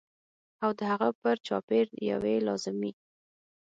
او د هغه پر چاپېر یوې لازمي